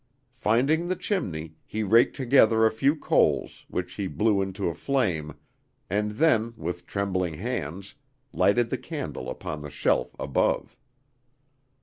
Finding the chimney, he raked together a few coals, which he blew into a flame, and then, with trembling hands, lighted the candle upon the shelf above.